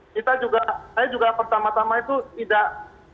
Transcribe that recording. kita juga saya juga pertama tama itu tidak